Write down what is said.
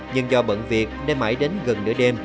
nhưng do bận việc nên mãi đến gần nửa đêm